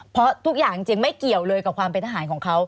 เพราะทุกอย่างจริงไม่เกี่ยวเลยกับความเป็นทหารของเขา